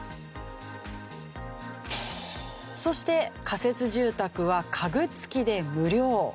そして仮設住宅は家具付きで無料。